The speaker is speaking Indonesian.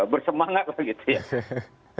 bersemangat lah gitu ya